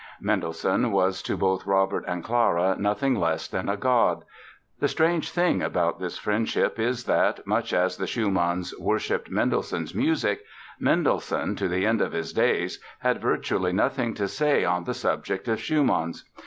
Mendelssohn was to both Robert and Clara nothing less than a god. The strange thing about this friendship is that, much as the Schumanns worshipped Mendelssohn's music, Mendelssohn, to the end of his days, had virtually nothing to say on the subject of Schumann's.